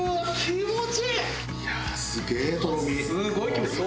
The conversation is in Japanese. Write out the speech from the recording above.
すごい気持ちいい。